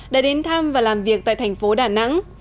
đã đến thăm và làm việc tại thành phố đà nẵng